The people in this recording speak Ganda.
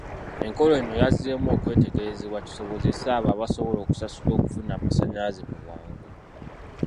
Enkola eno yazzeemu okwetegerezebwa kisobozese abo abasobola okusasula okufuna amasannyalaze mu bwangu.